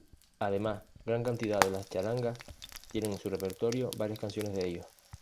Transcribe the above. Además, gran cantidad de las charangas tienen en su repertorio varias canciones de ellos.